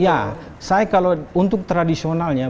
ya saya kalau untuk tradisionalnya